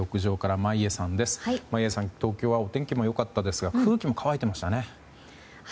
眞家さん、東京はお天気も良かったですが空気も乾いていましたね。